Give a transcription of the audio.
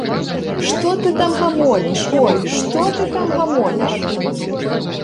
Што ты там гамоніш, ой, што ты там гамоніш?